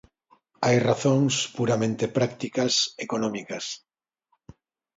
Hai razóns puramente prácticas, económicas.